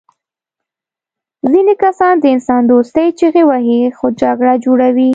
ځینې کسان د انسان دوستۍ چیغې وهي خو جګړه جوړوي